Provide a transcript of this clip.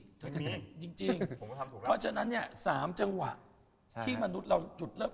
จริงเพราะฉะนั้น๓จังหวะที่มนุษย์เราหยุดแล้ว